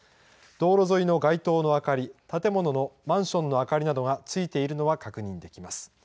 道路沿いの街灯の明かり、建物のマンションの明かりなどがついているのは確認できます。